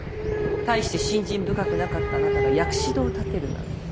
大して信心深くなかったあなたが薬師堂を建てるなんて。